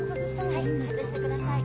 はい外してください。